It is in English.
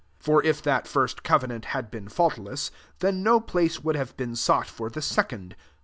7 For if that first covenant had been faultless, then no place would have been sought for the second.